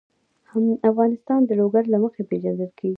افغانستان د لوگر له مخې پېژندل کېږي.